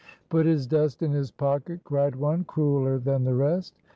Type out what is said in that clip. "Put his dust in his pocket," cried one, crueler than the rest.